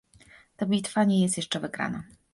Ta bitwa nie jest jeszcze wygrana